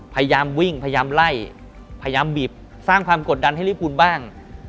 พยายามวิ่งพยายามไล่พยายามบีบสร้างความกดดันให้ลิฟูลบ้าง